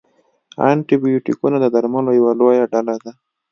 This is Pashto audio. انټي بیوټیکونه د درملو یوه لویه ډله ده.